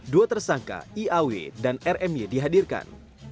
dua tersangka iaw dan rmy dihadirkan